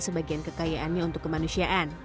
sebagian kekayaannya untuk kemanusiaan